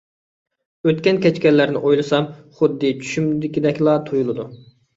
ئۆتكەن - كەچكەنلەرنى ئويلىسام، خۇددى چۈشۈمدىكىدەكلا تۇيۇلىدۇ.